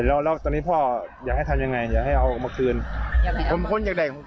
แล้วตอนนี้พ่ออยากให้ทำอย่างไรคือเอามาคืน